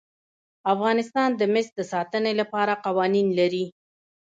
افغانستان د مس د ساتنې لپاره قوانین لري.